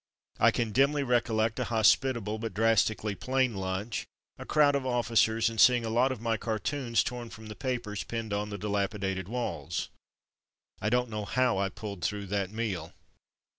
I can dimly recol lect a hospitable but drastically plain lunch, a crowd of officers, and seeing a lot of my cartoons torn from the papers pinned on the dilapidated walls. I don't know how I pulled through that meal.